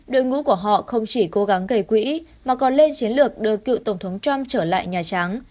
đội ngũ của họ không chỉ cố gắng gây quỹ mà còn lên chiến lược đưa cựu tổng thống trump trở lại nhà trắng